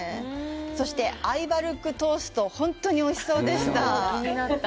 そして、アイヴァルックトーストは本当においしそうでした。